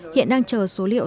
hiện đang chờ số liệu